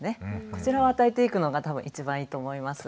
こちらを与えていくのが多分一番いいと思います。